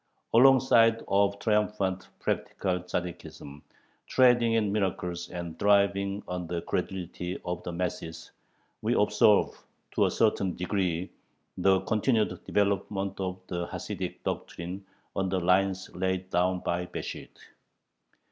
Alongside of triumphant practical Tzaddikism, trading in miracles and thriving on the credulity of the masses, we observe to a certain degree the continued development of the Hasidic doctrine on the lines laid down by Besht.